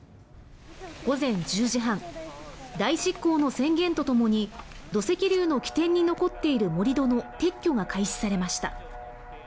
午前１０時半代執行の宣言とともに土石流の起点に残っている盛り土の撤去が開始されました。